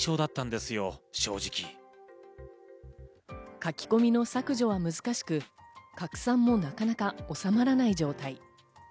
書き込みの削除は難しく、拡散もなかなか収まらない状態。